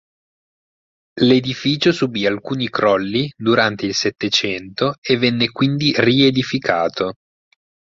L'edificio subì alcuni crolli durante il Settecento e venne quindi riedificato.